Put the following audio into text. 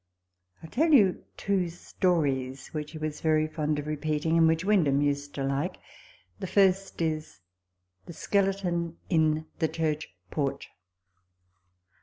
I'll tell you two stories which he was very fond of repeating (and which Windham used to like). The first is : The Skeleton in the Church Porch.